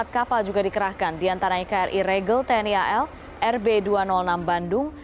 empat puluh empat kapal juga dikerahkan di antara kri regel tni al rb dua ratus enam bandung